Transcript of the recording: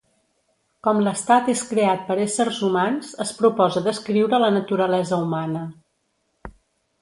Com l'estat és creat per éssers humans, es proposa descriure la naturalesa humana.